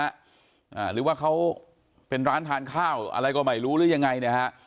อ่าหรือว่าเขาเป็นร้านทานข้าวอะไรก็ไม่รู้หรือยังไงเนี่ยฮะ